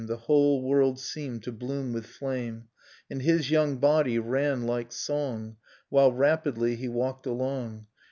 The whole world seemed to bloom with flame, And his young body ran like song While rapidly he walked along.